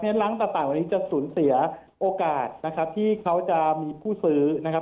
เพราะฉะนั้นร้านต่างวันนี้จะสูญเสียโอกาสที่เขาจะมีผู้ซื้อนะครับ